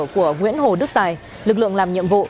của nguyễn hồ đức tài lực lượng làm nhiệm vụ